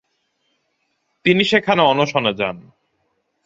তিনি সেখানে অনশনে যান।